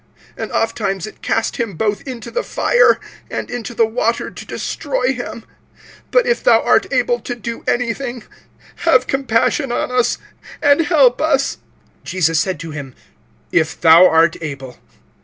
(22)And ofttimes it cast him both into the fire, and into the water, to destroy him. But if thou art able to do anything, have compassion on us, and help us. (23)Jesus said to him: If thou art able!